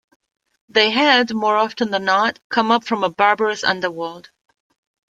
They had, more often than not, come up from a barbarous underworld.